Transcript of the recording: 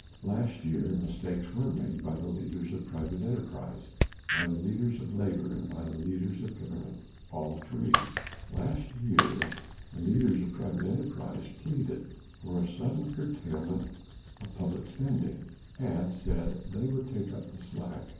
Last year mistakes were made by the leaders of private enterprise, by the leaders of labor and by the leaders of government all three. Last year the leaders of private enterprise pleaded for a sudden curtailment of public spending, and said they would take up the slack.